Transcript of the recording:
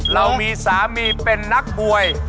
เรามีสามีเป็นนักมวย